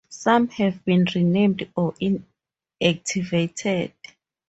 Some have been renamed or inactivated.